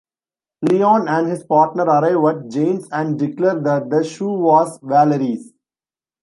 Leon and his partner arrive at Jane's and declare that the shoe was Valerie's.